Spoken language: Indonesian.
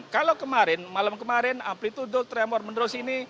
kalau kemarin malam kemarin amplitude tremor menerus ini